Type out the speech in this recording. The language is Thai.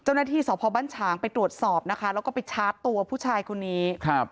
เจ้าหน้าที่สพบ้านฉางไปตรวจสอบนะคะแล้วก็ไปชาร์จตัวผู้ชายคนนี้ครับ